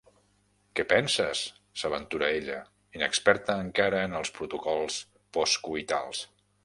Què penses? —s'aventura ella, inexperta encara en els protocols postcoitals.